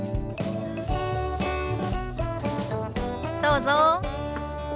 どうぞ。